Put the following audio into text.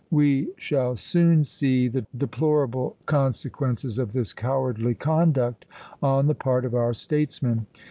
We shall soon see the deplorable consequences of this cowardly conduct on the part of our statesmen."